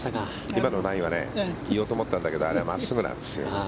今のラインは言おうと思ったんだけどあれは真っすぐなんですよね。